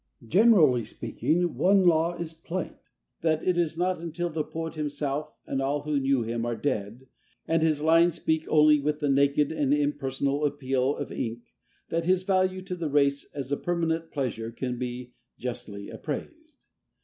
Generally speaking, one law is plain: that it is not until the poet himself and all who knew him are dead, and his lines speak only with the naked and impersonal appeal of ink, that his value to the race as a permanent pleasure can be justly appraised.